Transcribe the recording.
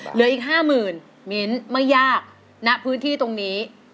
เหลืออีก๕๐๐๐มิ้นไม่ยากณพื้นที่ตรงนี้